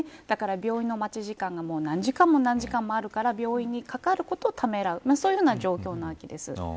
だから病院の待ち時間が何時間もあるから病院にかかることをためらうそういう状況なわけです。